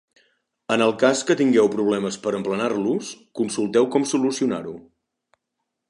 En el cas que tingueu problemes per emplenar-los, consulteu com solucionar-ho.